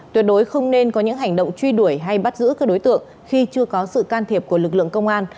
tuyệt đối không nên có những hành động truy đuổi hay bắt giữ các đối tượng khi chưa có sự can thiệp của lực lượng công an